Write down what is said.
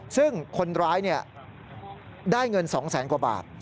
ซึ่งคนร้ายได้เงิน๒แสนกว่าบาท